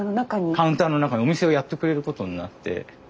カウンターの中にお店をやってくれることになって。